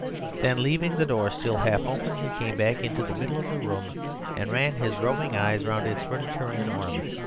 Then, leaving the door still half open, he came back into the middle of the room, and ran his roving blue eye round its furniture and ornament.